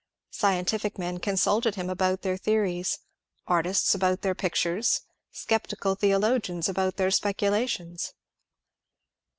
Scientific men consulted him about their theories, artists about their pictures, scep tical theologians about their speculations.